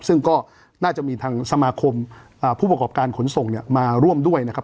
ซึ่งก็น่าจะมีทางสมาคมผู้ประกอบการขนส่งเนี่ยมาร่วมด้วยนะครับ